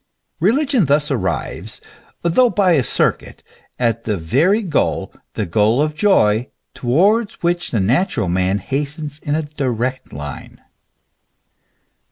Religion thus arrives, though by a circuit, at the very goal, the goal of joy, towards which the natural man hastens in a direct line.